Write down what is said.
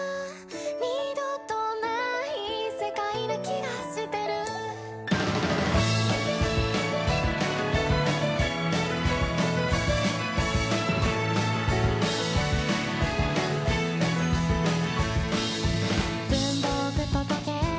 「二度とない世界な気がしてる」「文房具と時計